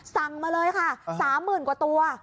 สั่งมาเลยค่ะ๓๐๐๐กว่าตัว